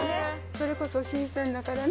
それこそ新鮮だからね。